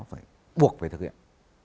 phải buộc phải thực hiện